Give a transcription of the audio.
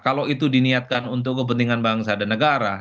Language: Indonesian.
kalau itu diniatkan untuk kepentingan bangsa dan negara